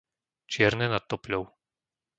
Čierne nad Topľou